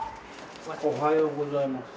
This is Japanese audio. おはようございます。